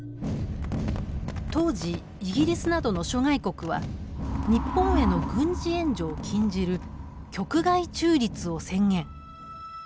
当時イギリスなどの諸外国は日本への軍事援助を禁じる局外中立を宣言。